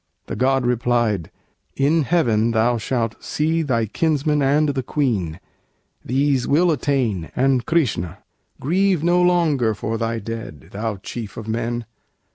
The God replied: "In heaven thou shalt see Thy kinsman and the Queen these will attain And Krishna. Grieve no longer for thy dead, Thou chief of men!